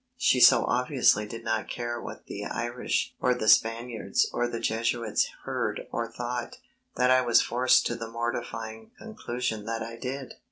She so obviously did not care what the Irish or the Spaniards or the Jesuits heard or thought, that I was forced to the mortifying conclusion that I did.